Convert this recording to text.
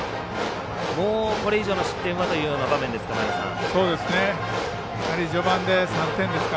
もうこれ以上の失点はという場面ですか。